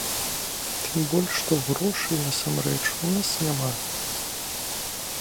Тым больш, што грошай, насамрэч, у нас няма.